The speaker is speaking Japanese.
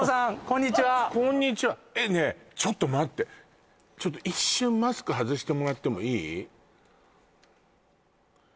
こんにちはこんにちはねえちょっと待って一瞬マスク外してもらってもいい？